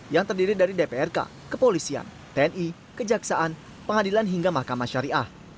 yang terdiri dari dprk kepolisian tni kejaksaan pengadilan hingga mahkamah syariah